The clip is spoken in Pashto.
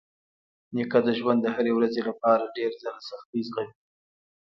نیکه د ژوند د هرې ورځې لپاره ډېر ځله سختۍ زغمي.